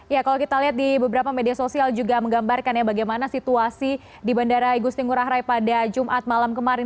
ya kalau kita lihat di beberapa media sosial juga menggambarkan ya bagaimana situasi di bandara igusti ngurah rai pada jumat malam kemarin